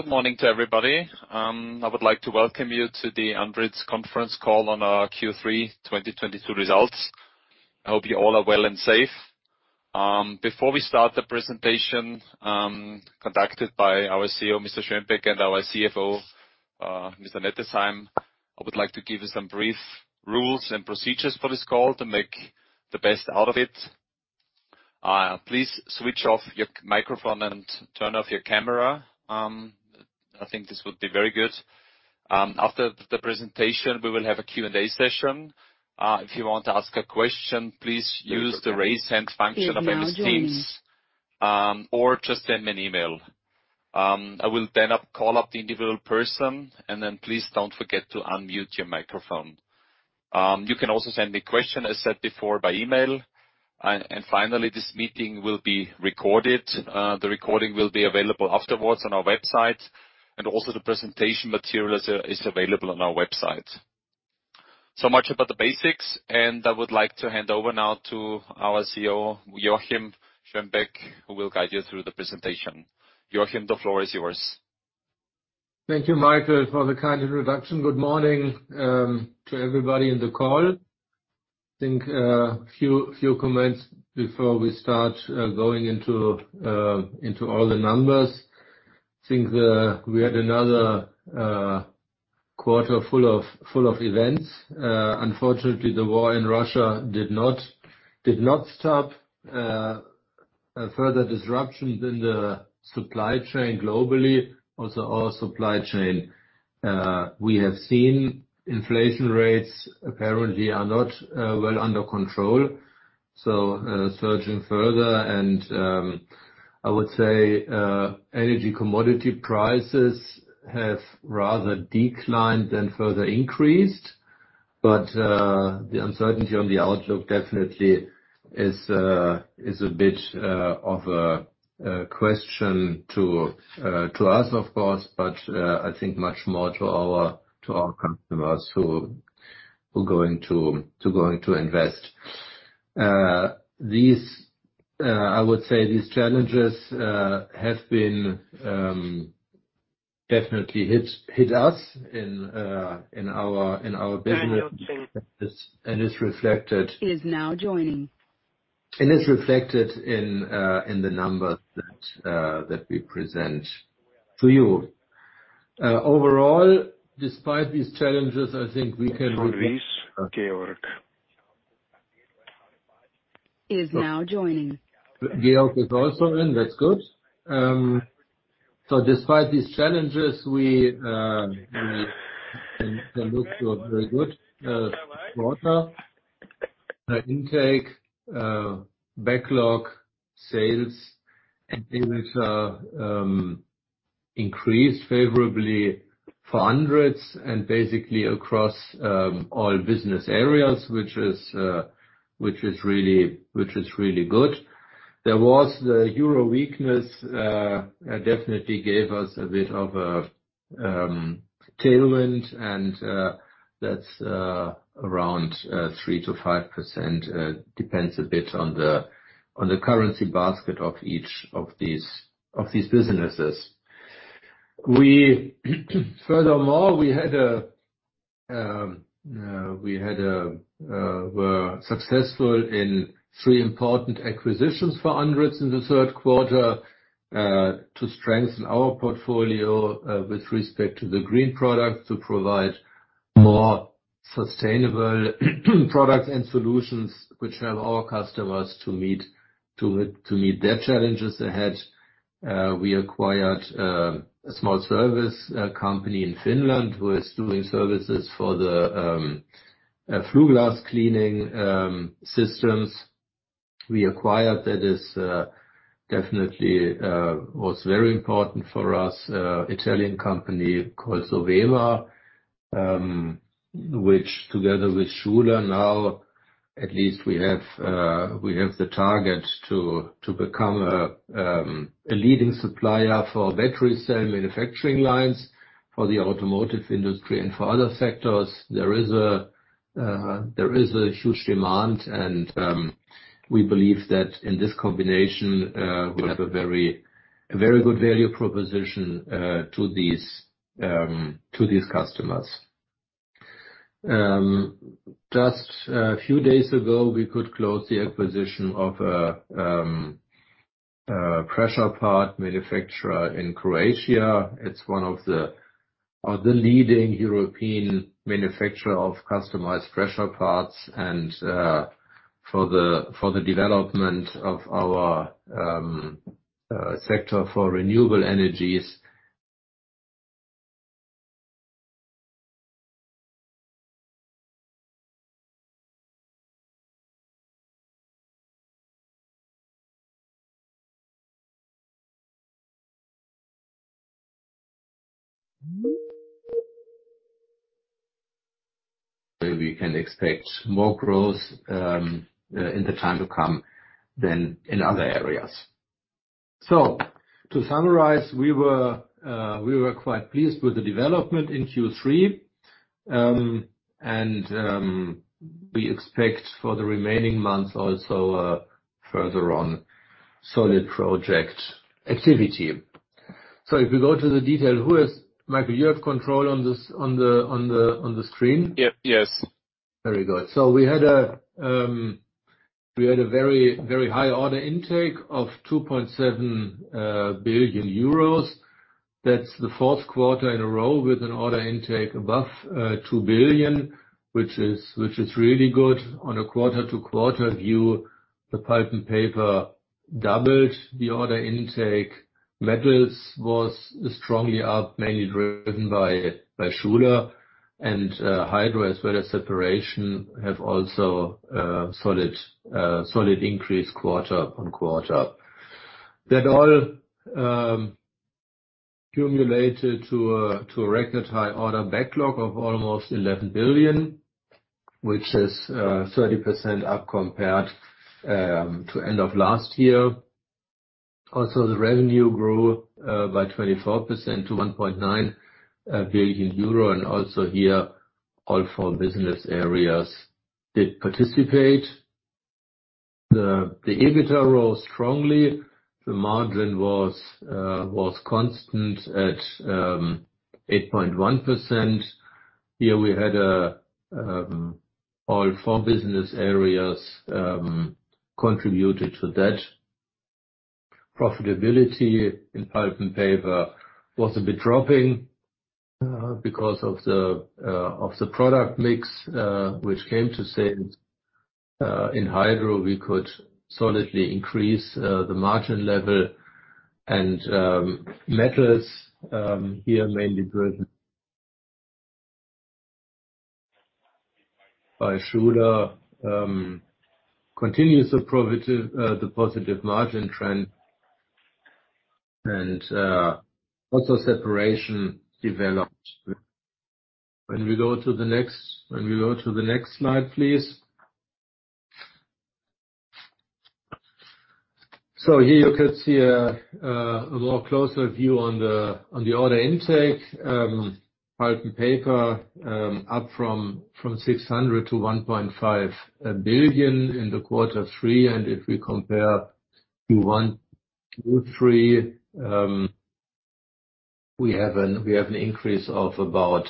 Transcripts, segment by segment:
Good morning to everybody. I would like to welcome you to the Andritz conference call on our Q3 2022 results. I hope you all are well and safe. Before we start the presentation, conducted by our CEO, Mr. Schönbeck, and our CFO, Mr. Nettesheim, I would like to give you some brief rules and procedures for this call to make the best out of it. Please switch off your microphone and turn off your camera. I think this would be very good. After the presentation, we will have a Q&A session. If you want to ask a question, please use the raise hand function of Webex Teams, or just send me an email. I will then call up the individual person and then please don't forget to unmute your microphone. You can also send me questions, as said before, by email. Finally, this meeting will be recorded. The recording will be available afterwards on our website, and also the presentation material is available on our website. Much about the basics, I would like to hand over now to our CEO, Joachim Schönbeck, who will guide you through the presentation. Joachim, the floor is yours. Thank you, Michael, for the kind introduction. Good morning to everybody in the call. I think few comments before we start going into all the numbers. I think we had another quarter full of events. Unfortunately, the war in Russia did not stop a further disruption in the supply chain globally. Also, our supply chain, we have seen inflation rates apparently are not well under control, so surging further and I would say energy commodity prices have rather declined than further increased. The uncertainty on the outlook definitely is a bit of a question to us, of course, but I think much more to our customers who are going to invest. I would say these challenges have definitely hit us in our business and is reflected. Is reflected in the numbers that we present to you. Overall, despite these challenges, I think we can. Georg is also in. That's good. Despite these challenges, we can look to a very good quarter. Intake, backlog, sales and even increased favorably for Andritz and basically across all business areas, which is really good. The euro weakness definitely gave us a bit of a tailwind and that's around 3%-5%. Depends a bit on the currency basket of each of these businesses. Furthermore, we were successful in three important acquisitions for Andritz in the third quarter to strengthen our portfolio with respect to the green product, to provide more sustainable products and solutions which help our customers to meet their challenges ahead. We acquired a small service company in Finland who is doing services for the flue gas cleaning systems. We acquired Italian company called Sovema, that is definitely was very important for us, which together with Schuler now at least we have the target to become a leading supplier for battery cell manufacturing lines for the automotive industry and for other sectors. There is a huge demand and we believe that in this combination we'll have a very good value proposition to these customers. Just a few days ago we could close the acquisition of a pressure part manufacturer in Croatia. It's one of the leading European manufacturer of customized pressure parts and for the development of our sector for renewable energies. We can expect more growth in the time to come than in other areas. To summarize, we were quite pleased with the development in Q3. We expect for the remaining months also further on solid project activity. If we go to the detail, Michael, you have control on this, on the screen? Yep. Yes. Very good. We had a very, very high order intake of 2.7 billion euros. That's the fourth quarter in a row with an order intake above 2 billion, which is really good. On a quarter-to-quarter view, the Pulp & Paper doubled the order intake. Metals was strongly up, mainly driven by Schuler and Hydro as well as Separation have also solid increase quarter-on-quarter. That all cumulated to a record high order backlog of almost 11 billion, which is 30% up compared to end of last year. Also, the revenue grew by 24% to 1.9 billion euros. Also here all four business areas did participate. The EBITDA rose strongly. The margin was constant at 8.1%. Here we had all four business areas contributed to that. Profitability in Pulp & Paper was a bit dropping because of the product mix which came to sales. In Hydro, we could solidly increase the margin level and Metals here mainly driven by Schuler continues the positive margin trend and also Separation developed. When we go to the next slide, please. Here you can see a more closer view on the order intake. Pulp & Paper up from 600 to 1.5 billion in quarter three. If we compare to 123, we have an increase of about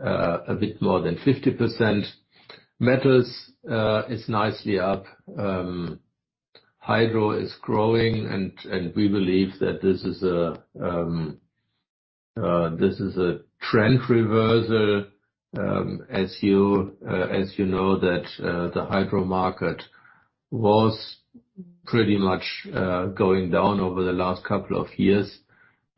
a bit more than 50%. Metals is nicely up. Hydro is growing and we believe that this is a trend reversal. As you know that the Hydro market was pretty much going down over the last couple of years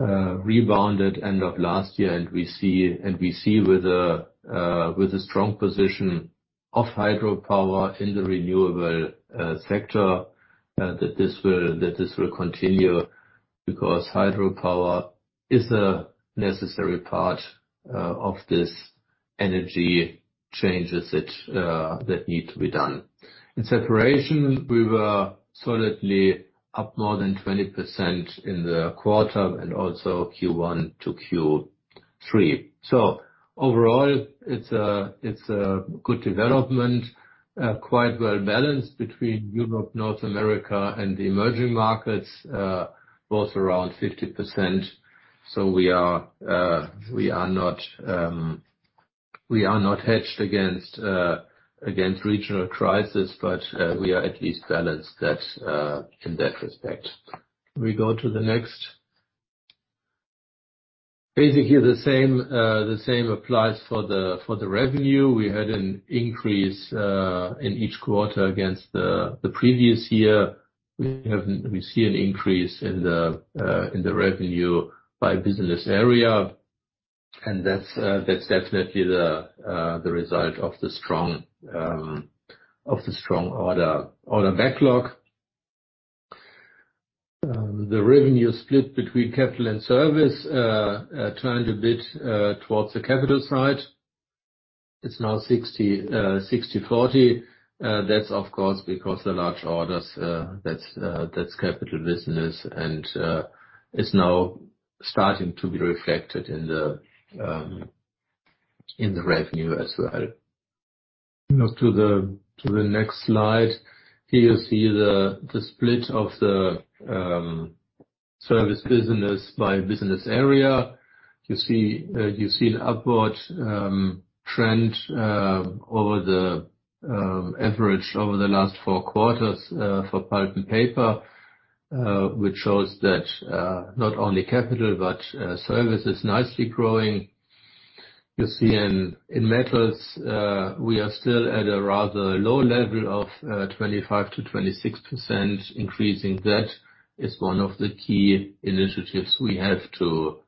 rebounded end of last year. We see with a strong position of hydro power in the renewable sector that this will continue because hydro power is a necessary part of this energy changes that need to be done. In Separation, we were solidly up more than 20% in the quarter and also Q1 to Q3. Overall, it's a good development quite well balanced between Europe, North America and the emerging markets both around 50%. We are not hedged against regional crisis, but we are at least balanced. That's in that respect. We go to the next. Basically the same applies for the revenue. We had an increase in each quarter against the previous year. We see an increase in the revenue by business area, and that's definitely the result of the strong order backlog. The revenue split between capital and service turned a bit towards the capital side. It's now 60/40. That's of course because the large orders, that's capital business and is now starting to be reflected in the revenue as well. Now to the next slide. Here you see the split of the service business by business area. You see an upward trend over the average over the last four quarters for Pulp & Paper, which shows that not only capital but service is nicely growing. You see in Metals we are still at a rather low level of 25%-26%. Increasing that is one of the key initiatives we have to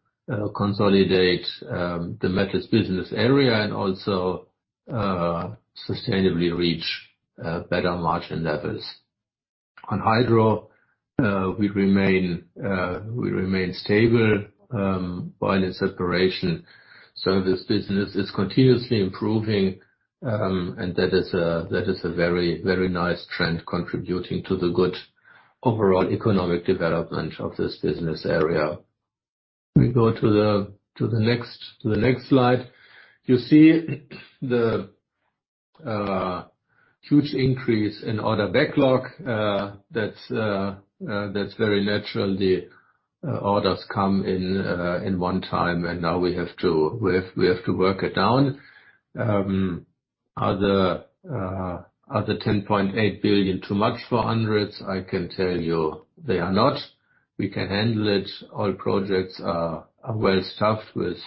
consolidate the Metals business area and also sustainably reach better margin levels. On Hydro we remain stable while in Separation. This business is continuously improving, and that is a very nice trend contributing to the good overall economic development of this business area. We go to the next slide. You see the huge increase in order backlog. That's very natural. The orders come in one time, and now we have to work it down. Are the 10.8 billion too much for Andritz? I can tell you they are not. We can handle it. All projects are well-staffed with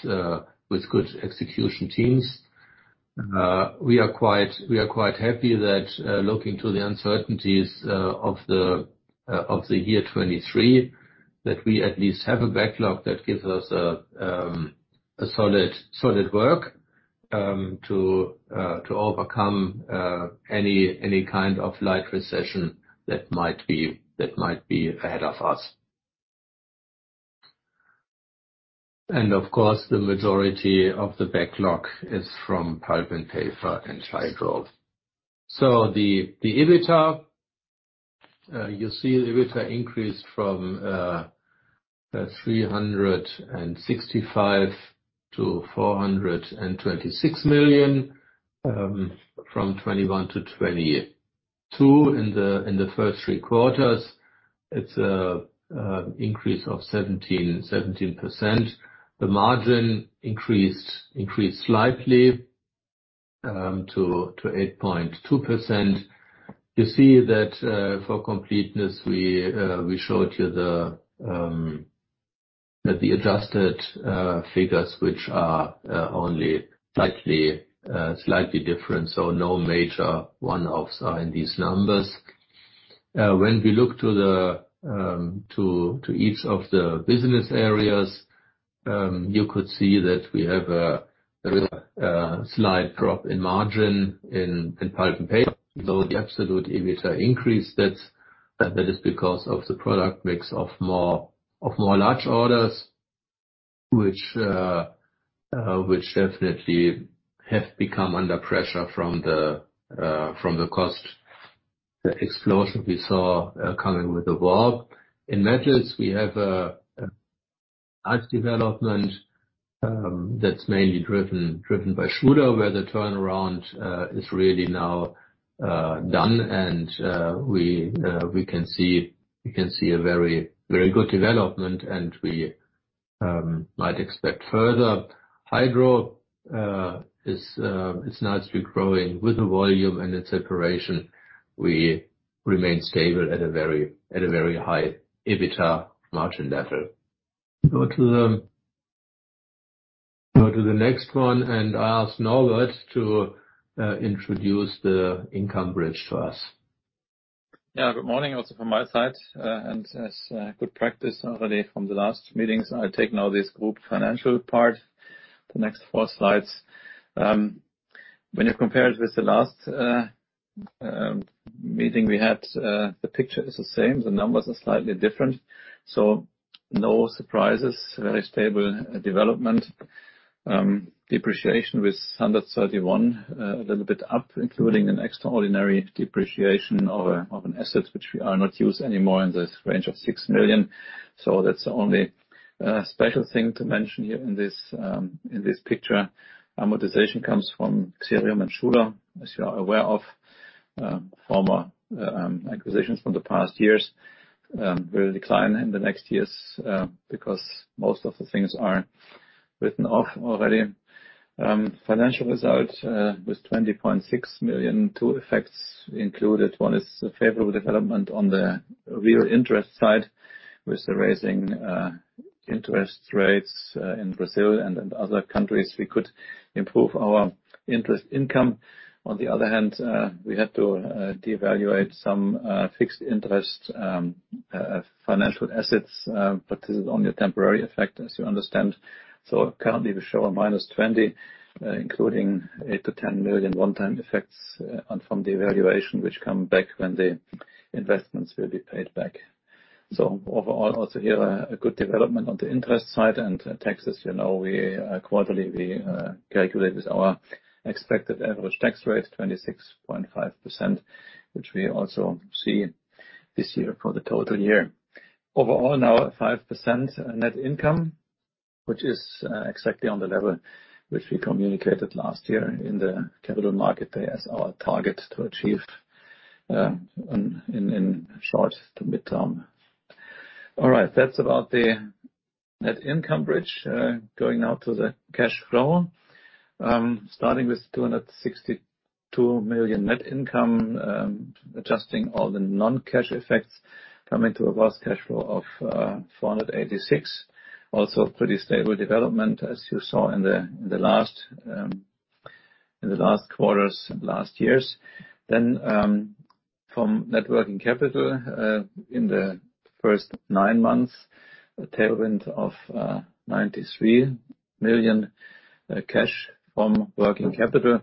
good execution teams. We are quite happy that, looking to the uncertainties of the year 2023, that we at least have a backlog that gives us a solid work to overcome any kind of light recession that might be ahead of us. Of course, the majority of the backlog is from pulp and paper and hydro. You see the EBITA increased from 365 million to 426 million from 2021 to 2022. In the first three quarters, it's an increase of 17%. The margin increased slightly to 8.2%. You see that, for completeness, we showed you the adjusted figures, which are only slightly different, so no major one-offs are in these numbers. When we look to each of the business areas, you could see that we have a slight drop in margin in pulp and paper, though the absolute EBITA increased. That is because of the product mix of more large orders which definitely have become under pressure from the cost explosion we saw coming with the war. In Metals, we have a nice development, that's mainly driven by Schuler, where the turnaround is really now done and we can see a very good development, and we might expect further. Hydro is nicely growing with the volume and its Separation. We remain stable at a very high EBITA margin level. Go to the next one, and I'll ask Norbert to introduce the income bridge to us. Yeah. Good morning also from my side. Good practice already from the last meetings, I take now this group financial part, the next four slides. When you compare it with the last meeting we had, the picture is the same. The numbers are slightly different, no surprises. Very stable development. Depreciation with 131 million, a little bit up, including an extraordinary depreciation of an asset which we are not use anymore in this range of 6 million. That's the only special thing to mention here in this picture. Amortization comes from Xerium and Schuler, as you are aware of, former acquisitions from the past years. It will decline in the next years, because most of the things are written off already. Financial results with 20.6 million. Two effects included. One is a favorable development on the real interest side. With the rising interest rates in Brazil and in other countries, we could improve our interest income. On the other hand, we had to devalue some fixed interest financial assets, but this is only a temporary effect, as you understand. Currently, we show a minus 20, including 8 million-10 million one-time effects, from the revaluation, which come back when the investments will be paid back. Overall, also here, a good development on the interest side. Taxes, you know, quarterly, we calculate with our expected average tax rate, 26.5%, which we also see this year for the total year. Overall now, at 5% net income, which is exactly on the level which we communicated last year in the capital market day as our target to achieve in short to mid-term. All right. That's about the net income bridge. Going now to the cash flow. Starting with 262 million net income, adjusting all the non-cash effects, coming to a gross cash flow of 486 million. Also pretty stable development as you saw in the last quarters, last years. Then, from net working capital, in the first nine months, a tailwind of 93 million cash from working capital.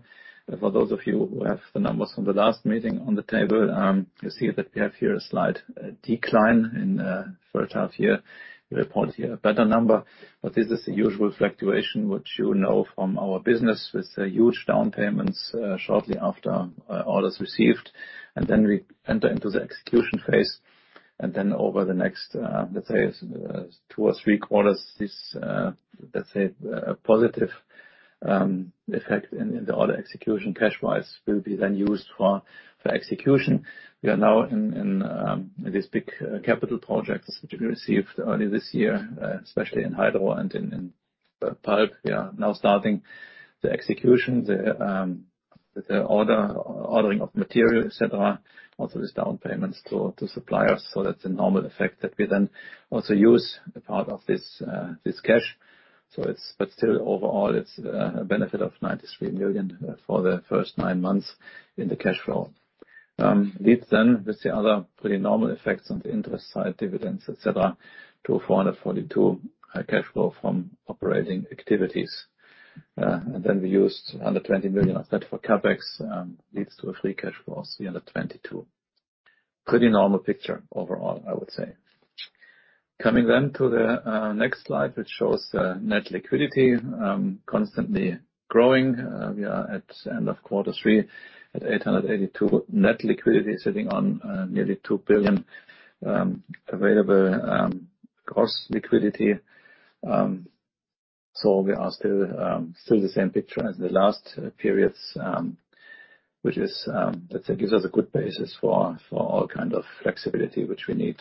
For those of you who have the numbers from the last meeting on the table, you see that we have here a slight decline in first half year. We report here a better number, but this is the usual fluctuation which you know from our business with huge down payments shortly after orders received. Then we enter into the execution phase. Then over the next, let's say, two or three quarters, this, let's say, positive effect in the order execution cash-wise will be then used for execution. We are now in these big capital projects which we received early this year, especially in Hydro and in Pulp. We are now starting the execution, the ordering of material, et cetera, also these down payments to suppliers. That's a normal effect that we then also use a part of this cash. Still overall it's a benefit of 93 million for the first nine months in the cash flow. Leads then with the other pretty normal effects on the interest side, dividends, et cetera, to 442 million cash flow from operating activities. We used under 20 million of that for CapEx, leads to a free cash flow of 322 million. Pretty normal picture overall, I would say. Coming then to the next slide, which shows net liquidity constantly growing. We are at end of quarter three at 882 million net liquidity, sitting on nearly 2 billion available gross liquidity. We are still the same picture as the last periods, which is, I'd say gives us a good basis for all kind of flexibility which we need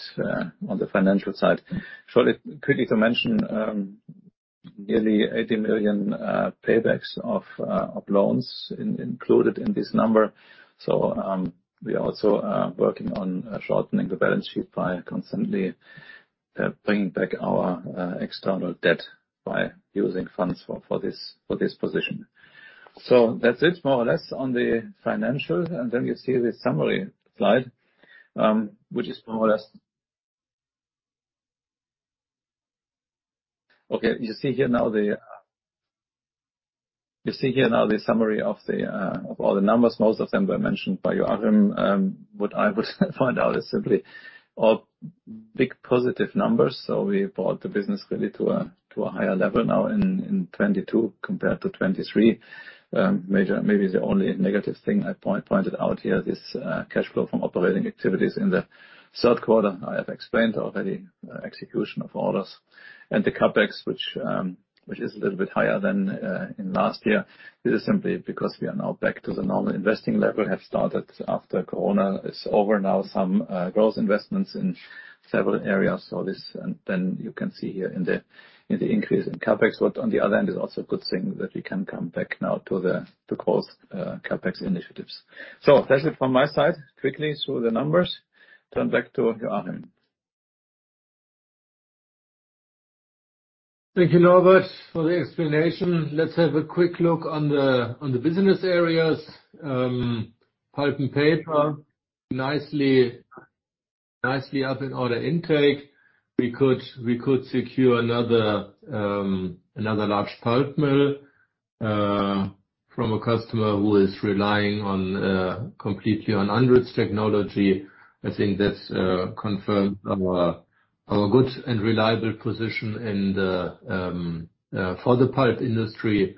on the financial side. Shortly, quickly to mention, nearly 80 million paybacks of loans included in this number. We also are working on shortening the balance sheet by constantly bringing back our external debt by using funds for this position. That's it more or less on the financials. Then you see the summary slide, which is more or less. Okay, you see here now the summary of all the numbers. Most of them were mentioned by Joachim. What I would find out is simply all big positive numbers. We brought the business really to a higher level now in 2022 compared to 2023. Maybe the only negative thing I pointed out here, this cash flow from operating activities in the third quarter. I have explained already, execution of orders. The CapEx which is a little bit higher than in last year. This is simply because we are now back to the normal investing level. Have started after Corona is over now, some growth investments in several areas. This and then you can see here in the increase in CapEx. On the other hand, it's also a good thing that we can come back now to the core CapEx initiatives. That's it from my side. Quickly through the numbers. Turn back to Joachim. Thank you, Norbert, for the explanation. Let's have a quick look on the business areas. Pulp & Paper, nicely up in order intake. We could secure another large pulp mill from a customer who is relying completely on Andritz technology. I think that's confirmed our good and reliable position in the pulp industry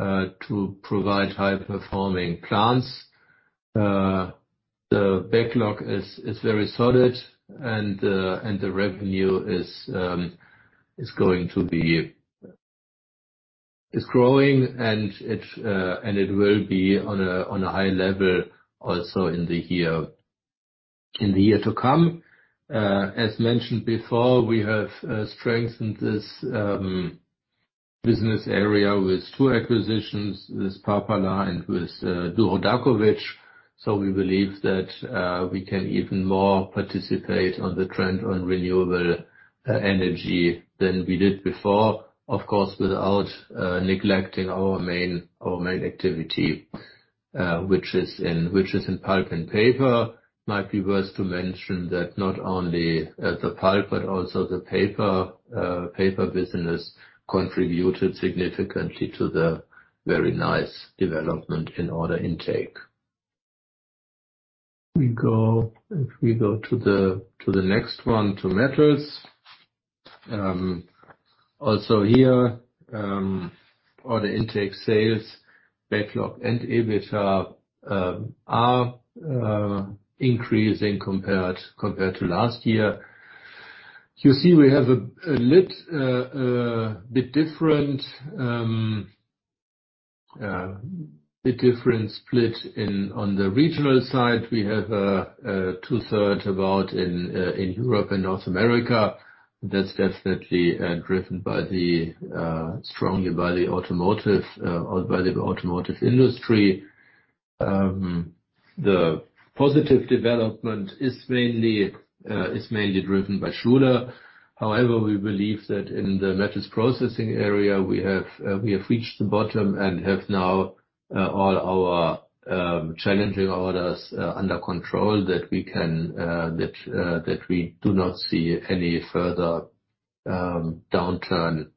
to provide high-performing plants. The backlog is very solid and the revenue is going to be growing and it will be on a high level also in the year to come. As mentioned before, we have strengthened this business area with two acquisitions, with J. Parpala Oy and with Đuro Đaković Termoenergetska postrojenja. We believe that we can even more participate on the trend on renewable energy than we did before. Of course, without neglecting our main activity, which is in Pulp & Paper. It might be worth mentioning that not only the pulp, but also the paper business contributed significantly to the very nice development in order intake. If we go to the next one, to Metals. Also here, order intake, sales, backlog, and EBITDA are increasing compared to last year. You see we have a bit different split on the regional side. We have about two-thirds in Europe and North America. That's definitely driven strongly by the automotive industry. The positive development is mainly driven by Schuler. However, we believe that in the Metals processing area, we have reached the bottom and have now all our challenging orders under control, that we do not see any further downturn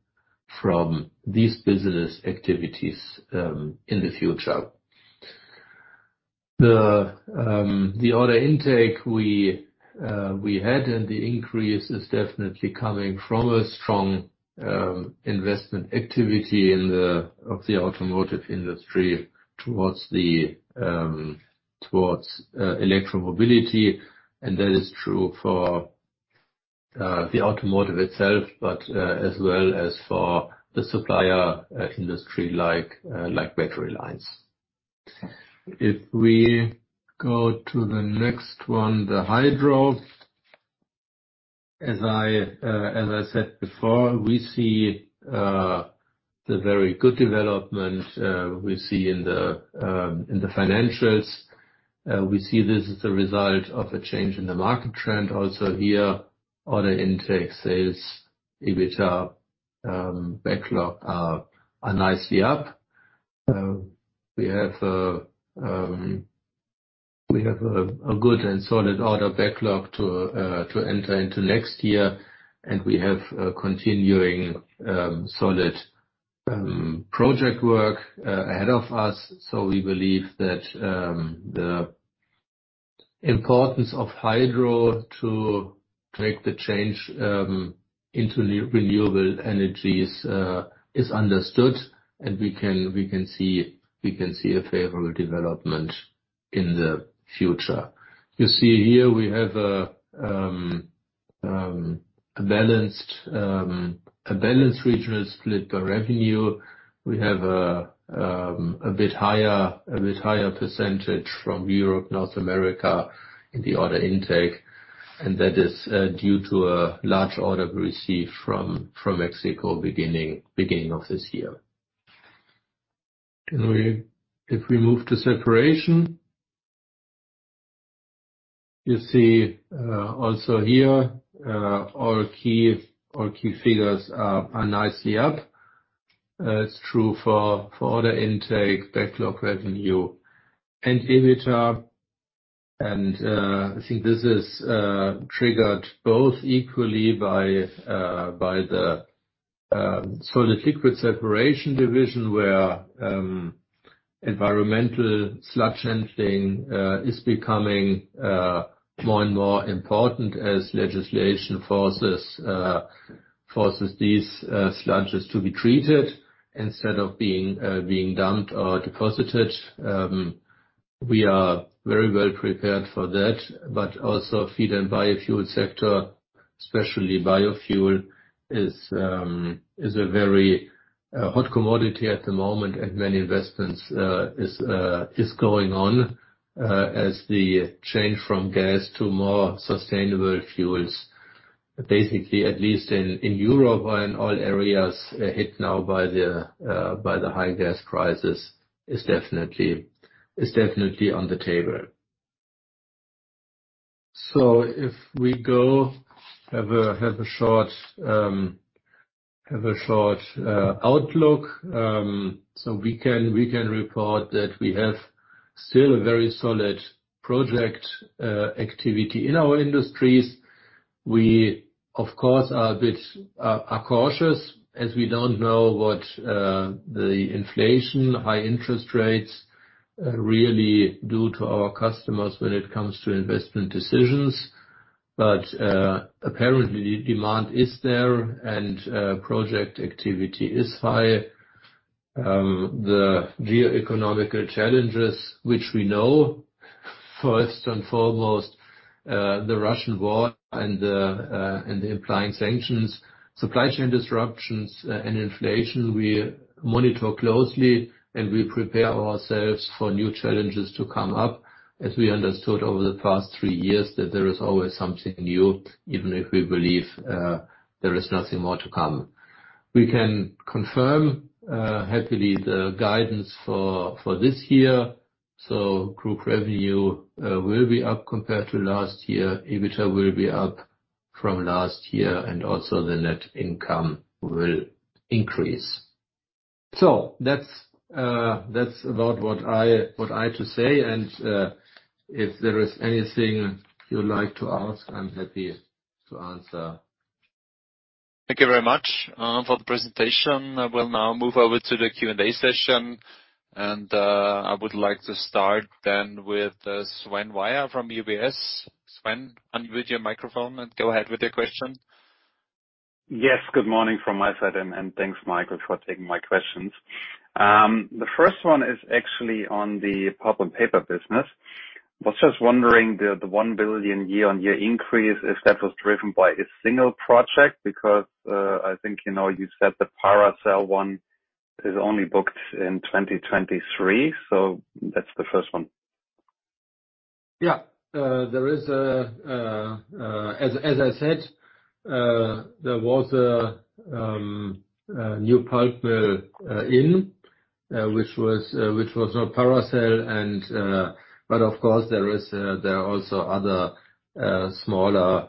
from these business activities in the future. The order intake we had and the increase is definitely coming from a strong investment activity in the automotive industry towards electromobility. That is true for the automotive itself, but as well as for the supplier industry like battery lines. If we go to the next one, the Hydro. As I said before, we see the very good development we see in the financials. We see this as a result of a change in the market trend also here. Order intake, sales, EBITDA, backlog are nicely up. We have a good and solid order backlog to enter into next year, and we have a continuing solid project work ahead of us. We believe that the importance of Hydro to make the change into renewable energies is understood, and we can see a favorable development in the future. You see here, we have a balanced regional split by revenue. We have a bit higher percentage from Europe, North America in the order intake. That is due to a large order we received from Mexico beginning of this year. If we move to Separation. You see also here all key figures are nicely up. It's true for order intake, backlog revenue, and EBITDA. I think this is triggered both equally by the solid/liquid separation division, where environmental sludge handling is becoming more and more important as legislation forces these sludges to be treated instead of being dumped or deposited. We are very well prepared for that. also feed and biofuel sector, especially biofuel, is a very hot commodity at the moment, and many investments is going on as the change from gas to more sustainable fuels. Basically, at least in Europe or in other areas hit now by the high gas prices, is definitely on the table. if we have a short outlook. we can report that we have still a very solid project activity in our industries. We, of course, are a bit cautious as we don't know what the inflation, high interest rates really do to our customers when it comes to investment decisions. apparently the demand is there and project activity is high. The geoeconomic challenges, which we know, first and foremost, the Russian war and the imposed sanctions, supply chain disruptions and inflation, we monitor closely and we prepare ourselves for new challenges to come up. As we understood over the past three years that there is always something new, even if we believe there is nothing more to come. We can confirm happily the guidance for this year. Group revenue will be up compared to last year. EBITDA will be up from last year, and also the net income will increase. That's about what I have to say. If there is anything you'd like to ask, I'm happy to answer. Thank you very much for the presentation. I will now move over to the Q&A session, and I would like to start then with Sven Weier from UBS. Sven, unmute your microphone and go ahead with your question. Yes. Good morning from my side, and thanks, Michael, for taking my questions. The first one is actually on the Pulp & Paper business. Was just wondering the 1 billion year-on-year increase, if that was driven by a single project, because I think, you know, you said the Paracel one is only booked in 2023. That's the first one. Yeah. As I said, there was a new pulp which was on Paracel, but of course there are also other smaller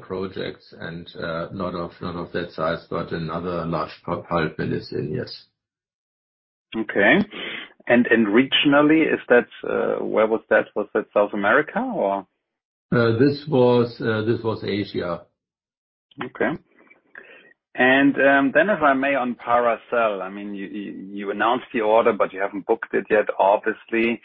projects, not of that size, but another large pulp mill business. Yes. Okay. Regionally, where was that? Was that South America or? This was Asia. If I may on Paracel. I mean, you announced the order, but you haven't booked it yet, obviously.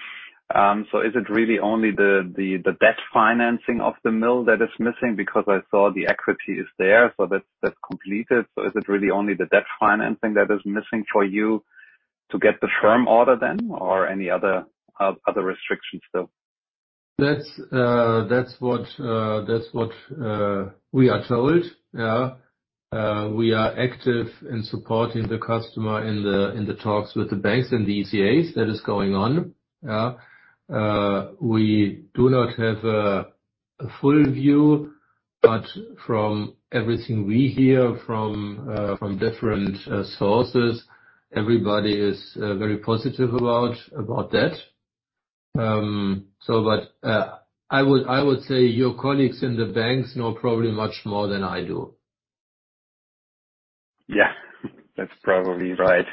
Is it really only the debt financing of the mill that is missing? Because I saw the equity is there, so that's completed. Is it really only the debt financing that is missing for you to get the firm order then, or any other restrictions still? That's what we are told. Yeah. We are active in supporting the customer in the talks with the banks and ECAs that is going on. Yeah. We do not have a full view, but from everything we hear from different sources, everybody is very positive about that. I would say your colleagues in the banks know probably much more than I do. Yeah. That's probably right.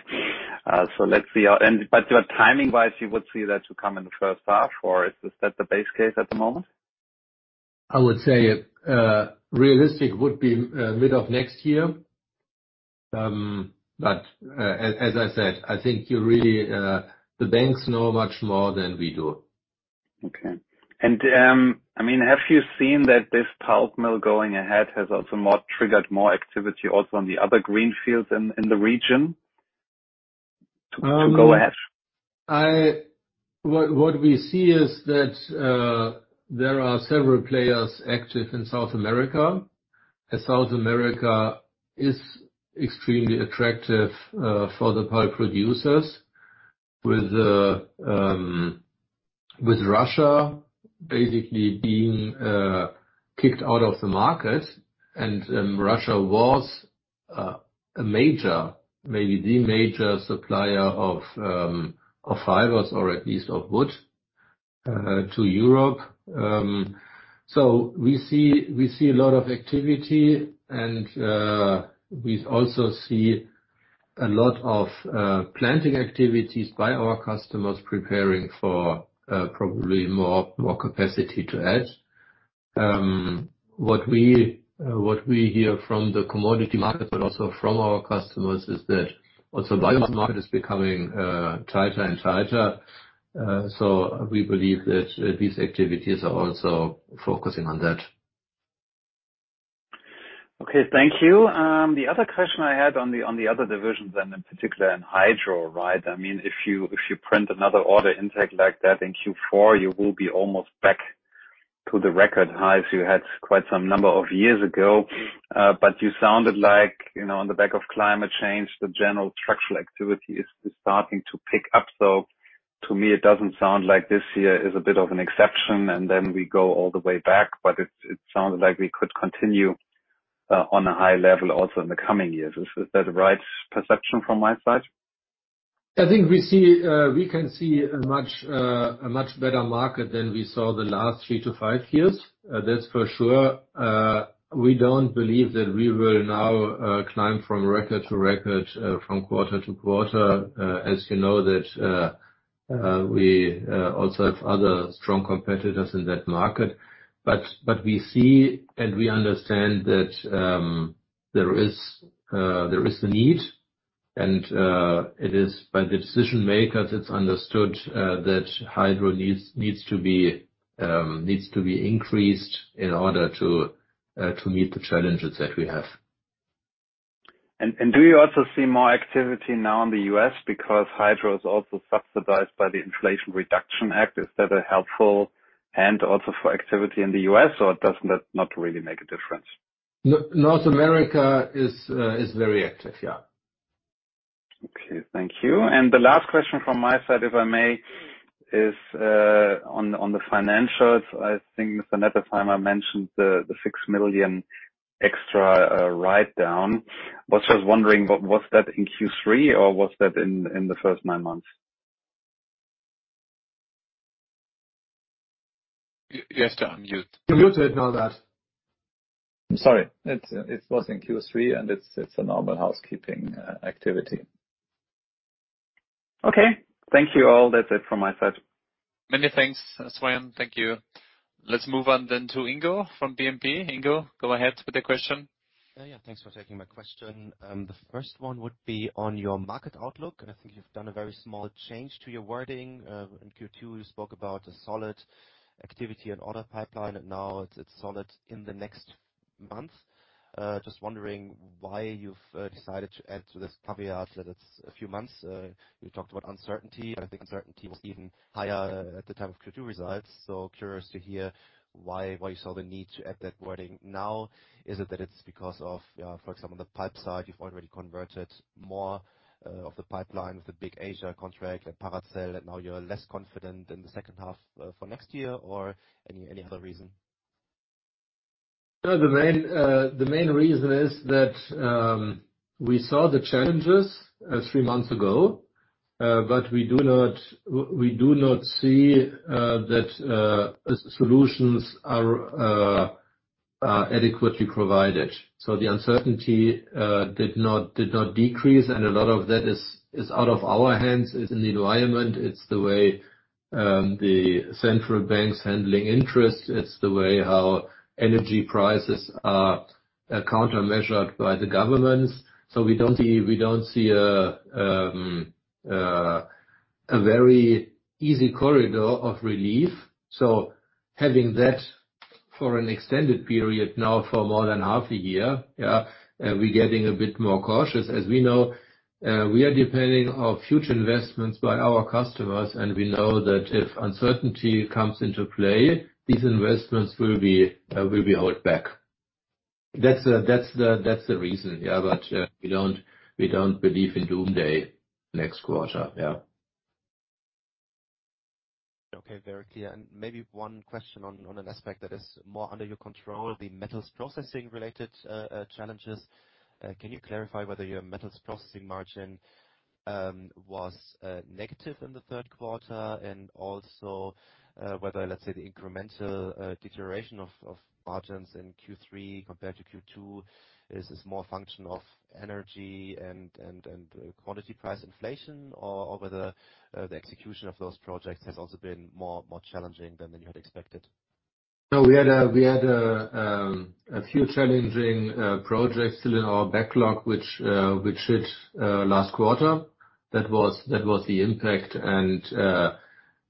Timing-wise, you would see that to come in the first half or is this at the base case at the moment? I would say realistic would be mid of next year. As I said, I think you really the banks know much more than we do. Okay. I mean, have you seen that this pulp mill going ahead has also triggered more activity also on the other green fields in the region to go ahead? What we see is that there are several players active in South America, and South America is extremely attractive for the pulp producers with Russia basically being kicked out of the market. Russia was a major, maybe the major supplier of fibers or at least of wood to Europe. We see a lot of activity and we also see a lot of planting activities by our customers preparing for probably more capacity to add. What we hear from the commodity market, but also from our customers, is that also volume market is becoming tighter and tighter. We believe that these activities are also focusing on that. Okay. Thank you. The other question I had on the other divisions and in particular in Hydro, right? I mean, if you print another order intake like that in Q4, you will be almost back to the record highs you had quite some number of years ago. You sounded like, you know, on the back of climate change, the general structural activity is starting to pick up. To me, it doesn't sound like this year is a bit of an exception, and then we go all the way back, but it sounds like we could continue on a high level also in the coming years. Is that the right perception from my side? I think we can see a much better market than we saw the last three-five years. That's for sure. We don't believe that we will now climb from record to record from quarter to quarter. As you know, that we also have other strong competitors in that market. We see and we understand that there is a need and it is by the decision makers, it's understood that Hydro needs to be increased in order to meet the challenges that we have. Do you also see more activity now in the U.S. because Hydro is also subsidized by the Inflation Reduction Act? Is that a helpful hint also for activity in the U.S. or does that not really make a difference? North America is very active, yeah. Okay. Thank you. The last question from my side, if I may, is on the financials. I think the next time I mentioned the 6 million extra write down. I was just wondering, was that in Q3 or was that in the first nine months? You have to unmute. You're muted, Norbert. I'm sorry. It was in Q3 and it's a normal housekeeping activity. Okay. Thank you all. That's it from my side. Many thanks, Sven Weier. Thank you. Let's move on then to Ingo from BNP. Ingo, go ahead with the question. Yeah. Thanks for taking my question. The first one would be on your market outlook, and I think you've done a very small change to your wording. In Q2 you spoke about a solid activity and order pipeline. Now it's solid in the next months. Just wondering why you've decided to add to this caveat that it's a few months. You talked about uncertainty, but I think uncertainty was even higher at the time of Q2 results. Curious to hear why you saw the need to add that wording now. Is it that it's because of, for example, on the pulp side you've already converted more of the pipeline with the big Asia contract and Paracel, and now you're less confident in the second half for next year or any other reason? No, the main reason is that we saw the challenges three months ago, but we do not see that solutions are adequately provided. The uncertainty did not decrease and a lot of that is out of our hands. It's in the environment. It's the way the central bank's handling interest. It's the way how energy prices are counter measured by the governments. We don't see a very easy corridor of relief. Having that for an extended period now for more than half a year, we're getting a bit more cautious. As we know, we are depending on future investments by our customers, and we know that if uncertainty comes into play, these investments will be held back. That's the reason, yeah, but we don't believe in doomsday next quarter. Yeah. Okay, very clear. Maybe one question on an aspect that is more under your control, the Metals processing-related challenges. Can you clarify whether your Metals processing margin was negative in the third quarter? Also, whether, let's say, the incremental deterioration of margins in Q3 compared to Q2 is more a function of energy and quality price inflation, or whether the execution of those projects has also been more challenging than you had expected? No, we had a few challenging projects still in our backlog, which hit last quarter. That was the impact.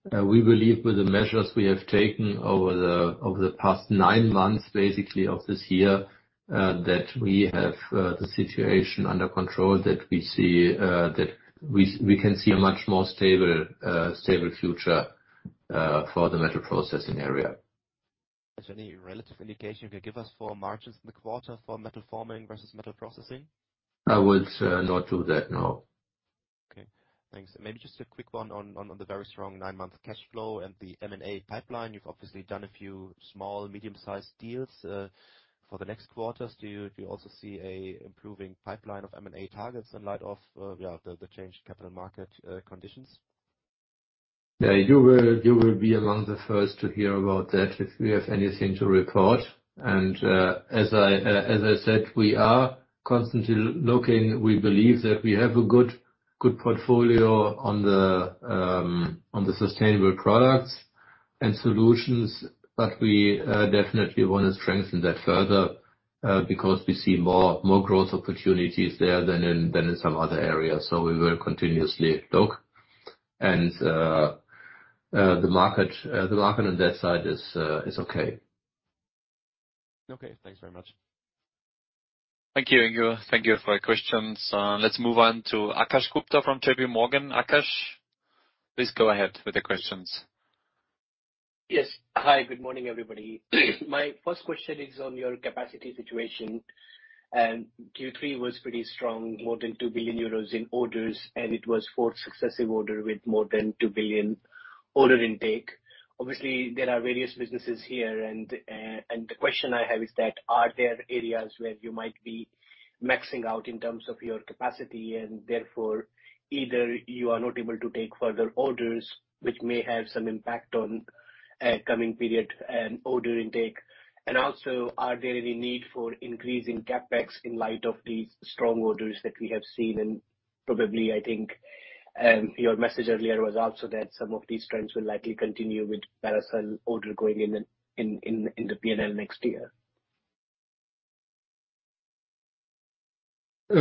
We believe with the measures we have taken over the past nine months, basically, of this year, that we have the situation under control that we see that we can see a much more stable future for the Metals area. Is there any relative indication you can give us for margins in the quarter for Metal Forming versus Metal Processing? I would not do that, no. Okay. Thanks. Maybe just a quick one on the very strong nine-month cash flow and the M&A pipeline. You've obviously done a few small, medium-sized deals for the next quarters. Do you also see an improving pipeline of M&A targets in light of yeah, the changed capital market conditions? Yeah. You will be among the first to hear about that if we have anything to report. As I said, we are constantly looking. We believe that we have a good portfolio on the sustainable products and solutions. We definitely wanna strengthen that further, because we see more growth opportunities there than in some other areas. We will continuously look. The market on that side is okay. Okay. Thanks very much. Thank you, Ingo. Thank you for your questions. Let's move on to Akash Gupta from JPMorgan. Akash, please go ahead with the questions. Yes. Hi, good morning, everybody. My first question is on your capacity situation. Q3 was pretty strong, more than 2 billion euros in orders, and it was fourth successive quarter with more than 2 billion order intake. Obviously, there are various businesses here, and the question I have is that, are there areas where you might be maxing out in terms of your capacity, and therefore either you are not able to take further orders, which may have some impact on, coming period, order intake? And also, are there any need for increase in CapEx in light of these strong orders that we have seen? Probably, I think, your message earlier was also that some of these trends will likely continue with Paracel order going in the P&L next year. As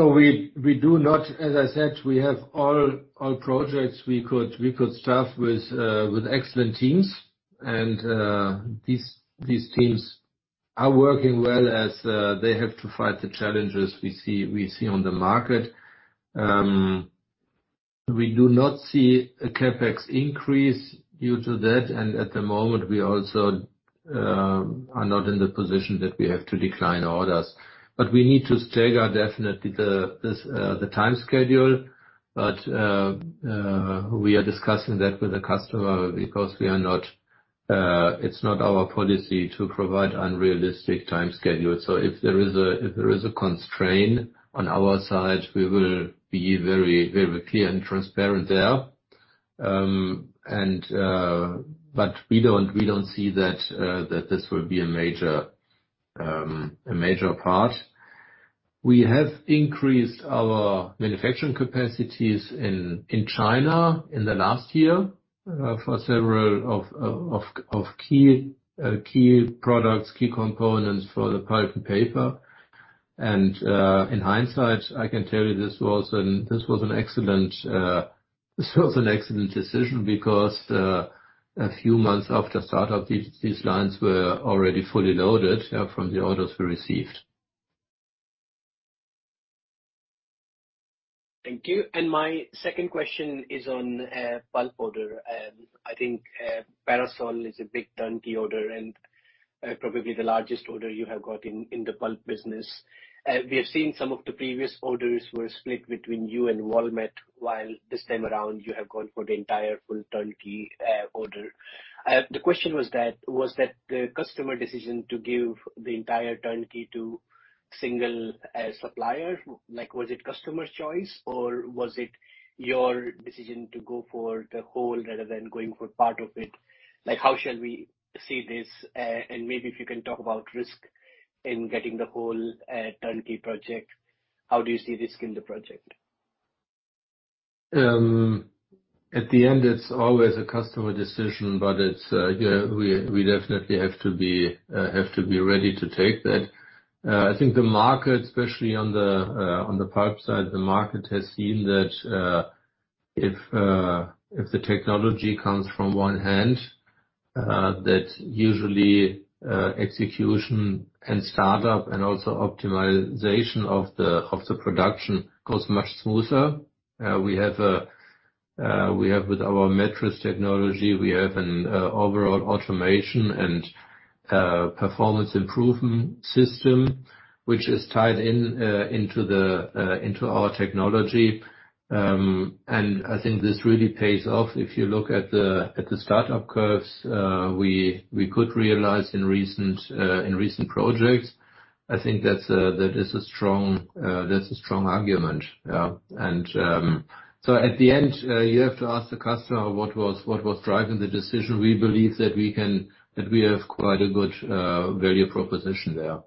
I said, we have all projects we could staff with excellent teams. These teams are working well as they have to fight the challenges we see on the market. We do not see a CapEx increase due to that. At the moment, we also are not in the position that we have to decline orders. We need to stagger definitely the time schedule. We are discussing that with the customer because we are not. It's not our policy to provide unrealistic time schedule. If there is a constraint on our side, we will be very clear and transparent there. We don't see that this will be a major part. We have increased our manufacturing capacities in China in the last year for several key products, key components for the Pulp & Paper. In hindsight, I can tell you this was an excellent decision because a few months after startup, these lines were already fully loaded, yeah, from the orders we received. Thank you. My second question is on pulp order. I think Paracel is a big turnkey order and probably the largest order you have got in the pulp business. We have seen some of the previous orders were split between you and Valmet, while this time around you have gone for the entire full turnkey order. The question was that the customer decision to give the entire turnkey to single supplier? Like, was it customer's choice or was it your decision to go for the whole rather than going for part of it? Like, how shall we see this? Maybe if you can talk about risk in getting the whole turnkey project. How do you see risk in the project? At the end it's always a customer decision, but we definitely have to be ready to take that. I think the market, especially on the pulp side, the market has seen that if the technology comes from one hand, that usually execution and startup and also optimization of the production goes much smoother. We have with our Metris technology an overall automation and performance improvement system which is tied into our technology. I think this really pays off. If you look at the startup curves, we could realize in recent projects. I think that's a strong argument. At the end, you have to ask the customer what was driving the decision. We believe that we have quite a good value proposition there.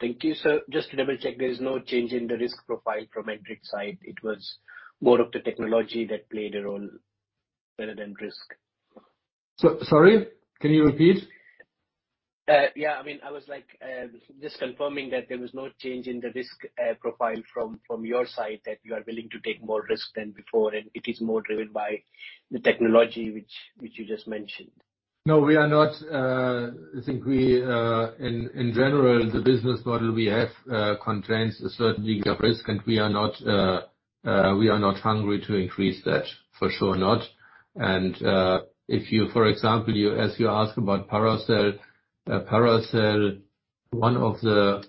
Thank you, sir. Just to double-check, there is no change in the risk profile from ENGIE side. It was more of the technology that played a role rather than risk. Sorry, can you repeat? Yeah. I mean, I was like, just confirming that there was no change in the risk profile from your side, that you are willing to take more risk than before, and it is more driven by the technology which you just mentioned. No, we are not. I think in general the business model we have contains a certain degree of risk, and we are not hungry to increase that, for sure not. If you, for example, as you ask about Paracel, one of the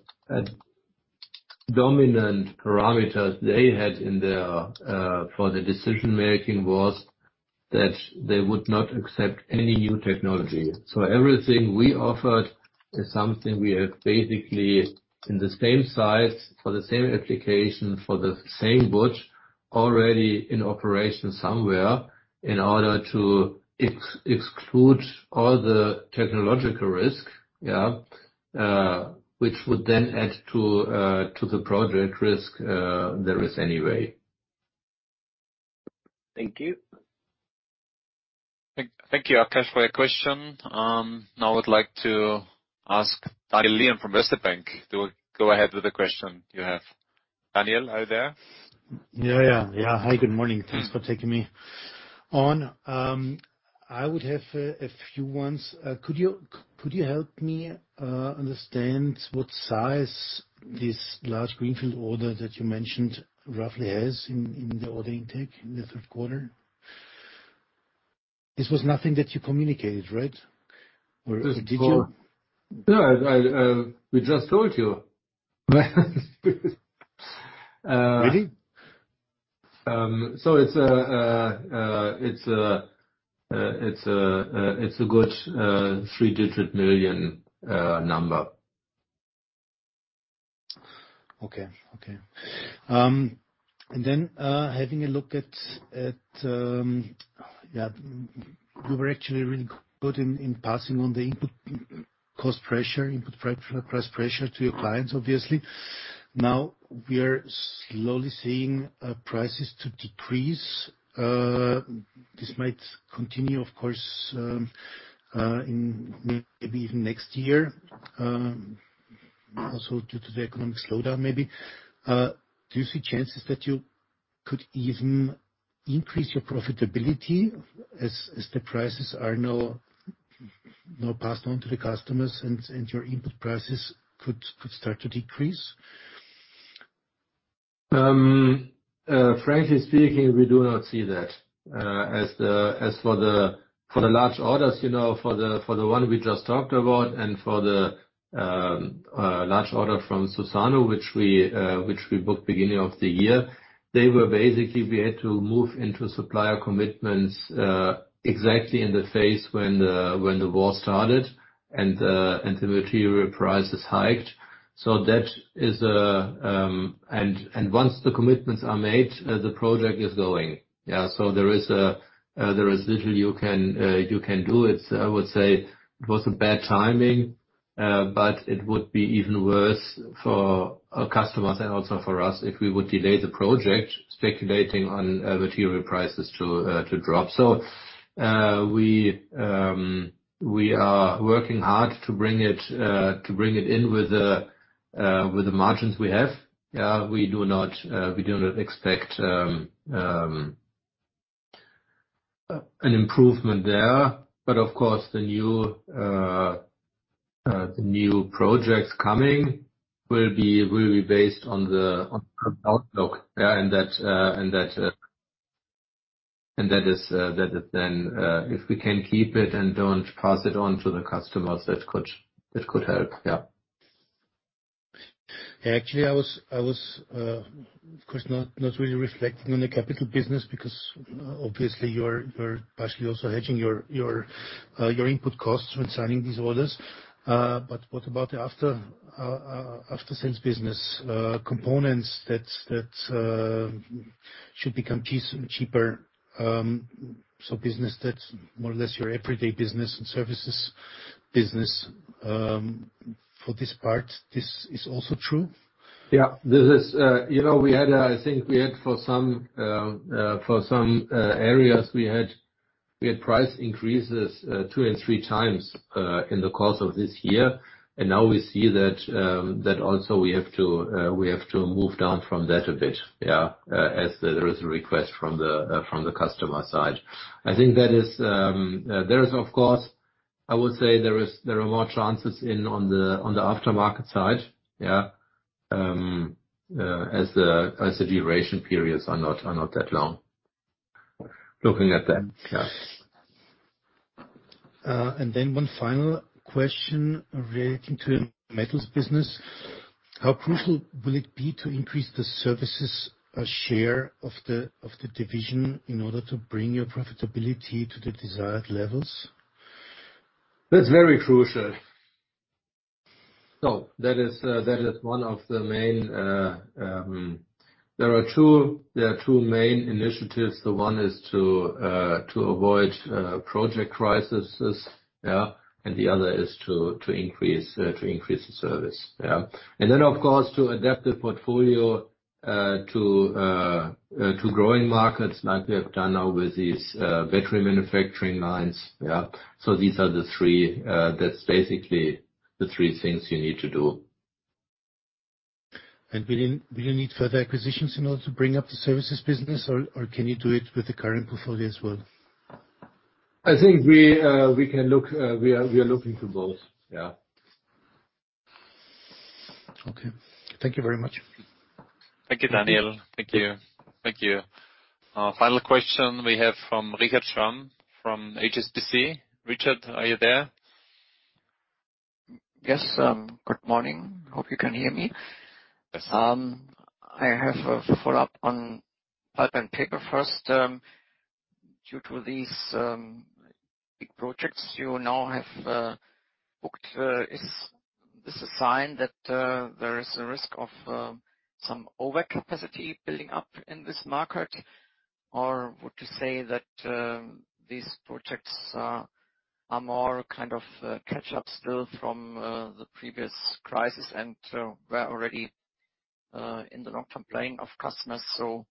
dominant parameters they had in there for the decision-making was that they would not accept any new technology. So everything we offered is something we have basically in the same size, for the same application, for the same boat, already in operation somewhere in order to exclude all the technological risk, which would then add to the project risk there is anyway. Thank you. Thank you, Akash, for your question. Now I would like to ask Daniel Lion from Erste Bank to go ahead with the question you have. Daniel, are you there? Yeah. Hi, good morning. Thanks for taking me on. I would have a few ones. Could you help me understand what size this large greenfield order that you mentioned roughly has in the order intake in the third quarter? This was nothing that you communicated, right? Or did you? No. I, we just told you. Uh. Really? It's a good three-digit million number. Okay. Having a look at, yeah, you were actually really good in passing on the input cost pressure, input price pressure to your clients, obviously. Now we are slowly seeing prices to decrease. This might continue, of course, in maybe even next year, also due to the economic slowdown, maybe. Do you see chances that you could even increase your profitability as the prices are now passed on to the customers and your input prices could start to decrease? Frankly speaking, we do not see that. As for the large orders, you know, for the one we just talked about and for the large order from Suzano, which we booked beginning of the year, they were basically we had to move into supplier commitments exactly in the phase when the war started and the material prices hiked. That is. Once the commitments are made, the project is going. Yeah. There is little you can do. It's, I would say it was a bad timing, but it would be even worse for our customers and also for us if we would delay the project speculating on material prices to drop. We are working hard to bring it in with the margins we have. Yeah, we do not expect an improvement there. Of course, the new projects coming will be based on the outlook. Yeah. That is then if we can keep it and don't pass it on to the customers, that could help. Yeah. Yeah. Actually, I was of course not really reflecting on the capital business because obviously you're partially also hedging your input costs when signing these orders. What about the after-sales business, components that should become cheaper? Business that's more or less your everyday business and services business, for this part, this is also true. Yeah. This is, you know, I think we had for some areas price increases two and three times in the course of this year. Now we see that also we have to move down from that a bit, yeah, as there is a request from the customer side. I think that is, there is, of course, I would say there are more chances on the aftermarket side, yeah. As the duration periods are not that long. Looking at that, yes. One final question relating to Metals business. How crucial will it be to increase the services share of the division in order to bring your profitability to the desired levels? That's very crucial. That is one of the main. There are two main initiatives. The one is to avoid project crises. And the other is to increase the service. And then, of course, to adapt the portfolio to growing markets like we have done now with these battery manufacturing lines. That's basically the three things you need to do. Will you need further acquisitions in order to bring up the services business, or can you do it with the current portfolio as well? I think we are looking for both, yeah. Okay. Thank you very much. Thank you, Daniel. Final question we have from Richard Schramm from HSBC. Richard, are you there? Yes, good morning. Hope you can hear me. Yes. I have a follow-up on Pulp & Paper first. Due to these big projects you now have booked, is this a sign that there is a risk of some overcapacity building up in this market? Or would you say that these projects are more kind of catch up still from the previous crisis and were already in the long-term plan of customers, so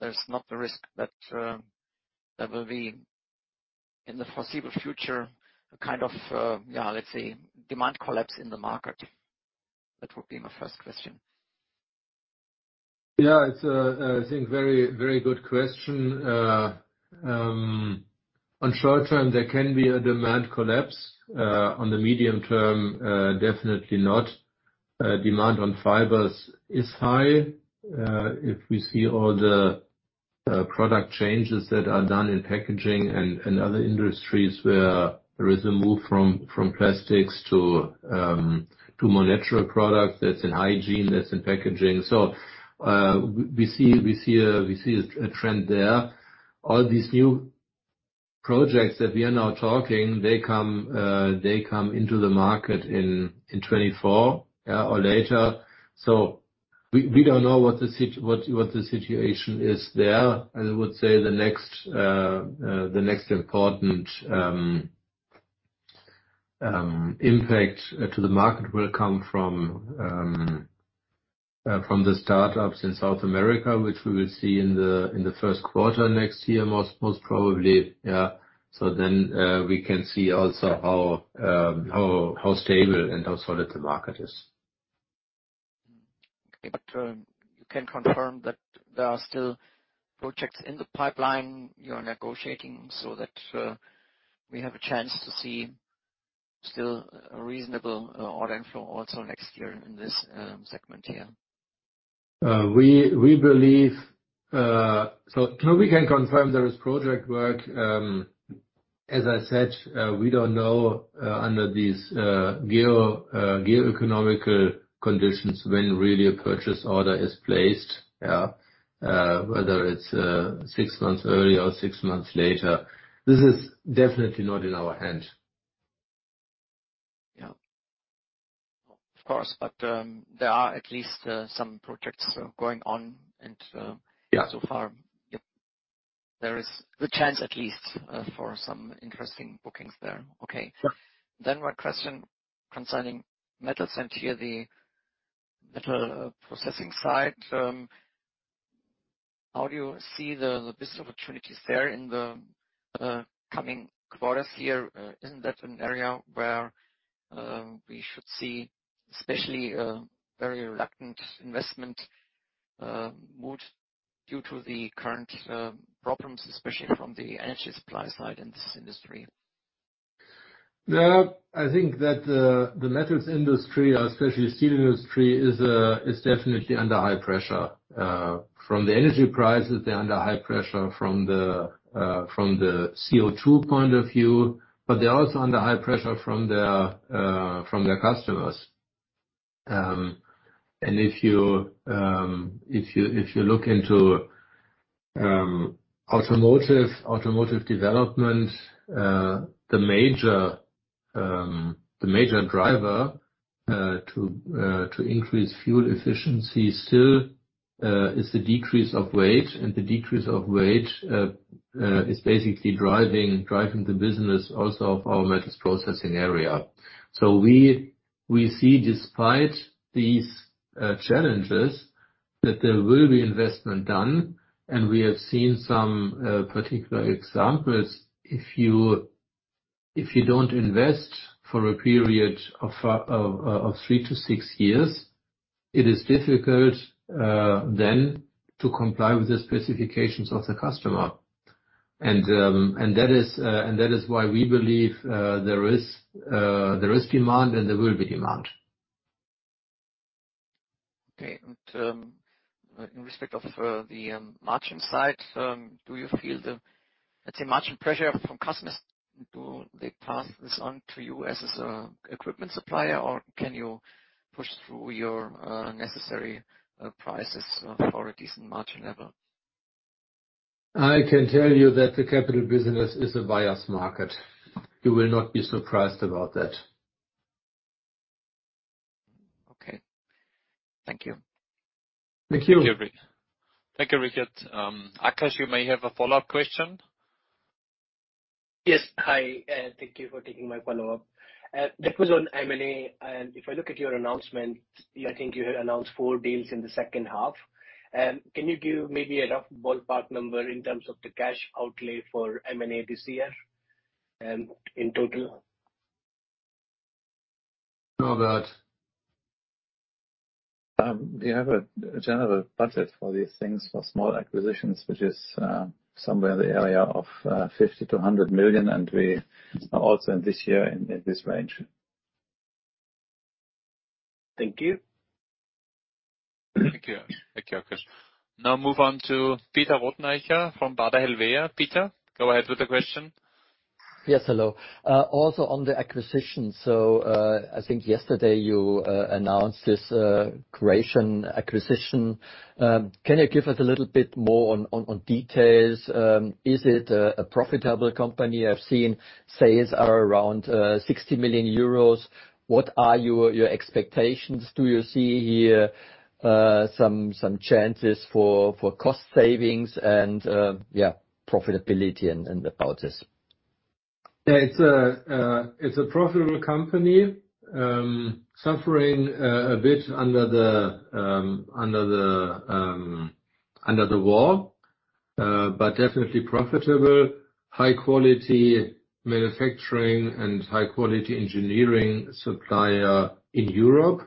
there's not the risk that there will be in the foreseeable future a kind of, yeah, let's say, demand collapse in the market? That would be my first question. Yeah. It's, I think, a very good question. On short term, there can be a demand collapse. On the medium term, definitely not. Demand on fibers is high. If we see all the product changes that are done in packaging and other industries where there is a move from plastics to more natural products. That's in hygiene, that's in packaging. We see a trend there. All these new projects that we are now talking, they come into the market in 2024, yeah, or later. We don't know what the situation is there. I would say the next important impact to the market will come from the startups in South America, which we will see in the first quarter next year, most probably. We can see also how stable and how solid the market is. Okay. You can confirm that there are still projects in the pipeline you're negotiating so that we have a chance to see still a reasonable order inflow also next year in this segment here. No, we can confirm there is project work. As I said, we don't know under these geoeconomic conditions when really a purchase order is placed. Whether it's six months early or six months later, this is definitely not in our hands. Yeah. Of course. There are at least some projects going on and Yeah. So far, yep, there is the chance at least for some interesting bookings there. Okay. Sure. One question concerning Metals, and here the metal processing side. How do you see the business opportunities there in the coming quarters here? Isn't that an area where we should see especially a very reluctant investment mood due to the current problems, especially from the energy supply side in this industry? Yeah. I think that the metals industry, especially steel industry, is definitely under high pressure. From the energy prices, they're under high pressure from the CO2 point of view, but they're also under high pressure from their customers. If you look into automotive development, the major driver to increase fuel efficiency still is the decrease of weight. The decrease of weight is basically driving the business also of our metals processing area. We see despite these challenges that there will be investment done, and we have seen some particular examples. If you don't invest for a period of three-six years, it is difficult then to comply with the specifications of the customer. That is why we believe there is demand and there will be demand. Okay. In respect of the margin side, do you feel the, let's say, margin pressure from customers? Do they pass this on to you as an equipment supplier, or can you push through your necessary prices for a decent margin level? I can tell you that the capital business is a buyer's market. You will not be surprised about that. Okay. Thank you. Thank you. Thank you, Richard. Akash, you may have a follow-up question. Yes. Hi. Thank you for taking my follow-up. That was on M&A. If I look at your announcement, I think you had announced four deals in the second half. Can you give maybe a rough ballpark number in terms of the cash outlay for M&A this year, in total? Norbert. We have a general budget for these things, for small acquisitions, which is somewhere in the area of 50-100 million, and we are also in this year in this range. Thank you. Thank you. Thank you, Akash. Now move on to Peter Rothenaicher from Baader Helvea. Peter, go ahead with the question. Yes, hello. Also on the acquisition. I think yesterday you announced this Croatian acquisition. Can you give us a little bit more on details? Is it a profitable company? I've seen sales are around 60 million euros. What are your expectations? Do you see here some chances for cost savings and yeah, profitability and about this? Yeah. It's a profitable company, suffering a bit under the war. Definitely profitable. High quality manufacturing and high quality engineering supplier in Europe,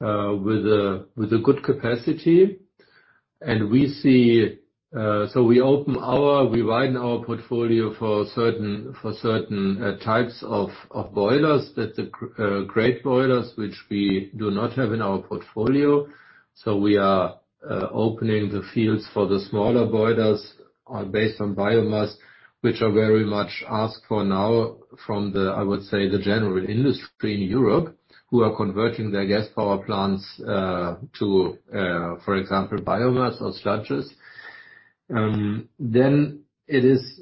with a good capacity. We widen our portfolio for certain types of boilers that grate boilers which we do not have in our portfolio. We are opening the fields for the smaller boilers based on biomass, which are very much asked for now from the general industry in Europe, who are converting their gas power plants to, for example, biomass or structures. It is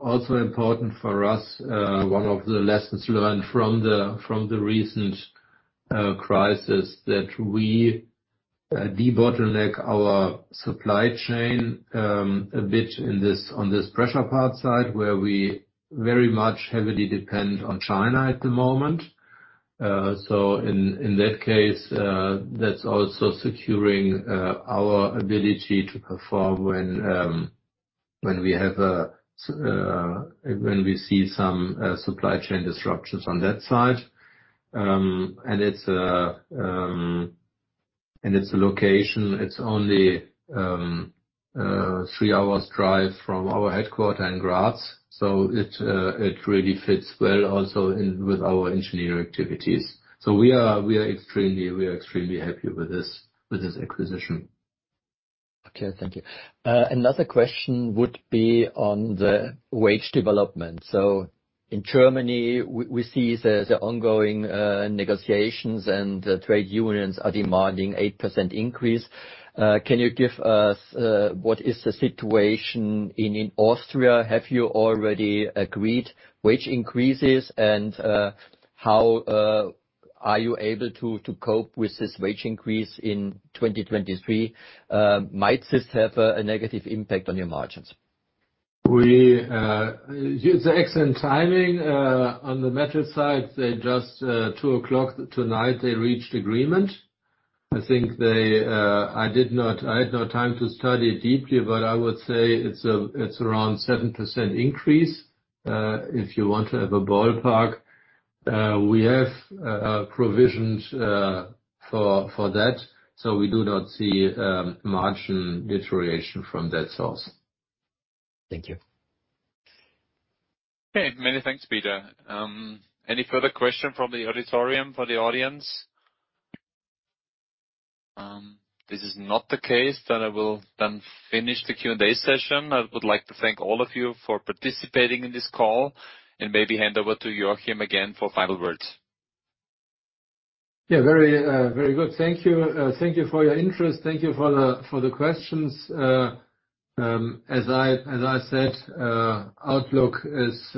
also important for us, one of the lessons learned from the recent crisis, that we debottleneck our supply chain a bit in this on this pressure part side, where we very much heavily depend on China at the moment. In that case, that's also securing our ability to perform when we see some supply chain disruptions on that side. Its location, it's only three hours drive from our headquarters in Graz, so it really fits well also in with our engineering activities. We are extremely happy with this acquisition. Okay. Thank you. Another question would be on the wage development. In Germany, we see the ongoing negotiations and the trade unions are demanding 8% increase. Can you give us what is the situation in Austria? Have you already agreed wage increases? How are you able to cope with this wage increase in 2023? Might this have a negative impact on your margins? It's excellent timing. On the Metals side, they just, 2:00 P.M. tonight, reached agreement. I did not have time to study deeply, but I would say it's around 7% increase, if you want to have a ballpark. We have provisions for that, so we do not see margin deterioration from that source. Thank you. Okay. Many thanks, Peter. Any further question from the auditorium for the audience? This is not the case, then I will finish the Q&A session. I would like to thank all of you for participating in this call and maybe hand over to Joachim again for final words. Yeah. Very, very good. Thank you. Thank you for your interest. Thank you for the questions. As I said, outlook is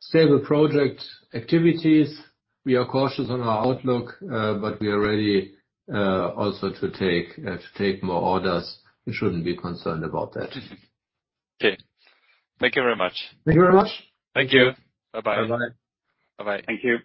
stable project activities. We are cautious on our outlook, but we are ready also to take more orders. We shouldn't be concerned about that. Okay. Thank you very much. Thank you very much. Thank you. Bye-bye. Bye-bye. Bye-bye. Thank you.